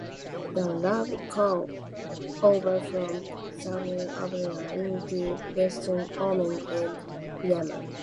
The Rub'al-Khali crosses over from Saudi Arabia into western Oman and eastern Yemen.